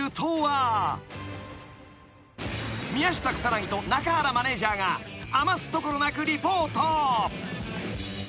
［宮下草薙と中原マネジャーが余すところなくリポート］